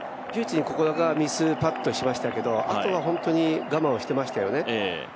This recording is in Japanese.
ここミスパットしましたけどあとは本当に我慢をしてましたよね。